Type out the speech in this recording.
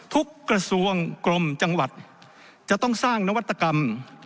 กระทรวงกรมจังหวัดจะต้องสร้างนวัตกรรม